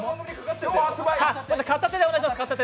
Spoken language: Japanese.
片手でお願いします。